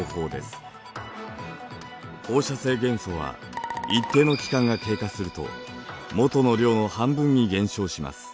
放射性元素は一定の期間が経過すると元の量の半分に減少します。